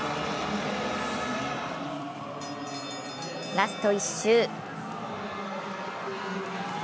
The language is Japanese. ラスト１周。